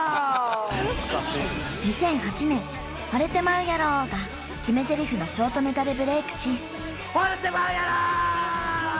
２００８年「惚れてまうやろ！」が決めゼリフのショートネタでブレイクし惚れてまうやろ！